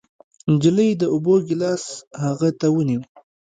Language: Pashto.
نجلۍ د اوبو ګېلاس هغه ته ونيو.